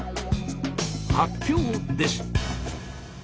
発表です！